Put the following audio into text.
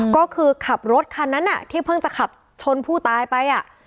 ก็คือขับรถคันนั้นที่เพิ่งจะขับชนผู้ตายไป